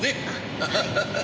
アハハハハ。